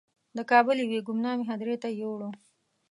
د کابل یوې ګمنامې هدیرې ته یې یووړ.